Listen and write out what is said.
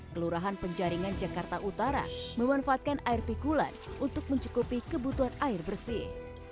kelurahan penjaringan jakarta utara memanfaatkan air pikulan untuk mencukupi kebutuhan air bersih